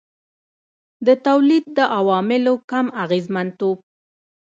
د تولید د عواملو کم اغېزمنتوب.